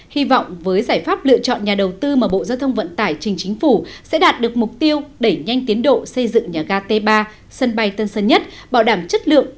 hy vọng với giải pháp lựa chọn nhà đầu tư mà bộ giao thông vận tải trình chính phủ sẽ đạt được mục tiêu đẩy nhanh tiến độ xây dựng nhà ga t ba sân bay tân sơn nhất bảo đảm chất lượng